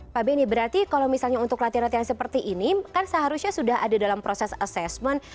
pak beni berarti kalau misalnya untuk latihan latihan seperti ini kan seharusnya sudah ada dalam proses assessment